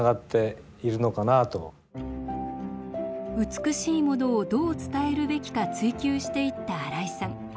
美しいものをどう伝えるべきか追求していった新井さん。